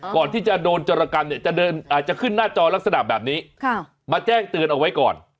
ก่อนที่จะโดนจรกรรมเนี่ยจะขึ้นหน้าจอลักษณะแบบนี้มาแจ้งเตือนเอาไว้ก่อน